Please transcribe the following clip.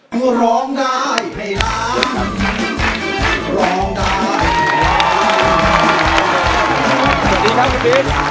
ครับ